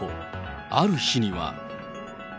ある日には。